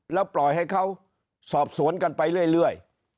แล้วปล่อยให้เขาสอบสวนกันไปเรื่อย